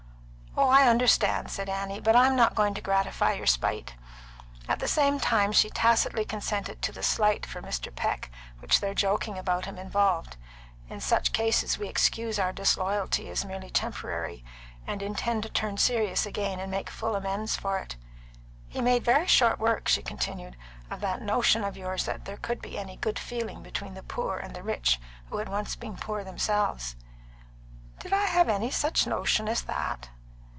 "Oh, I understand," said Annie. "But I'm not going to gratify your spite." At the same time she tacitly consented to the slight for Mr. Peck which their joking about him involved. In such cases we excuse our disloyalty as merely temporary, and intend to turn serious again and make full amends for it. "He made very short work," she continued, "of that notion of yours that there could be any good feeling between the poor and the rich who had once been poor themselves." "Did I have any such notion as that?"